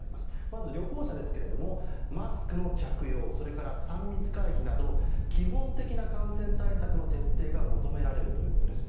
まず旅行者ですがマスクの着用それから３密回避など基本的な感染対策の徹底が求められるということです。